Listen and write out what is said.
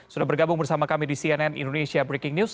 sudah bergabung bersama kami di cnn indonesia breaking news